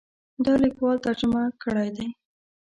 دا لیکوال ترجمه کړی دی.